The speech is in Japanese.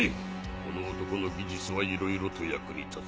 この男の技術はいろいろと役に立つ。